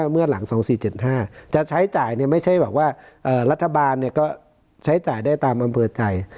ไม่ใช่ว่ารัฐบาลใช้จ่ายได้ตามอำเผยใจ